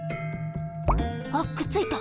あっくっついた。